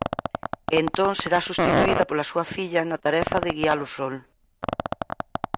E entón será substituída pola súa filla na tarefa de guiar o Sol.